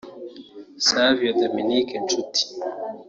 Savio Dominique Nshuti